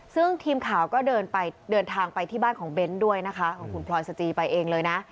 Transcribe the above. ซึ่งทีมข่าวก็เดินไปเดินทางไปที่บ้านของเบ้นด้วยนะคะของคุณพลอยสจีไปเองเลยนะ